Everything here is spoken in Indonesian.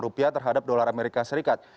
rupiah terhadap dolar amerika serikat